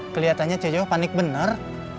keliatannya cuy yoyo panik bener